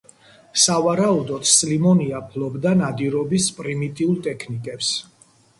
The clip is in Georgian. სავარაუდოდ სლიმონია ფლობდა ნადირობის პრიმიტიულ ტექნიკებს.